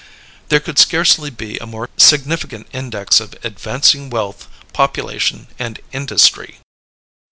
There could scarcely be a more significant index of advancing wealth, population, and industry.